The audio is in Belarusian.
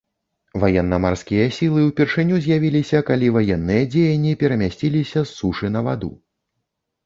Ваенна-марскія сілы ўпершыню з'явіліся калі ваенныя дзеянні перамясціліся з сушы на ваду.